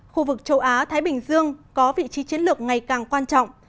khu vực châu á thái bình dương có vị trí chiến lược ngày càng quan trọng